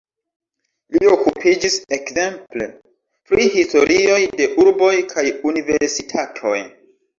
Li okupiĝis ekzemple pri historioj de urboj kaj universitatoj.